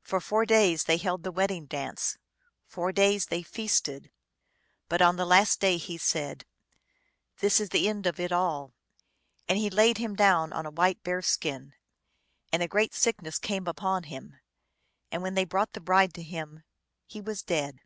For four days they held the wedding dance ; four days they feasted. But on the last day he said, "This is the end of it all," and he laid him down on a white bear skin, and a great sickness came upon him, and when they brought the bride to him he was dead.